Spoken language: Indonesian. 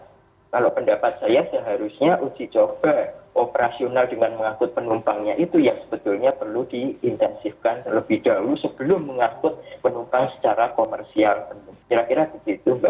kalau menurut saya kalau pendapat saya seharusnya uji coba operasional dengan mengangkut penumpangnya itu yang sebetulnya perlu diintensifkan lebih dahulu sebelum mengangkut penumpang secara komersial